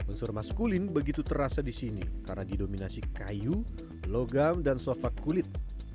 unsur maskulin begitu terasa di sini karena didominasi kayu logam dan sofak kulit